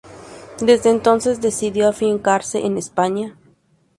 Desde entonces decidió afincarse en España.